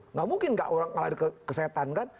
nggak mungkin nggak orang ke setan kan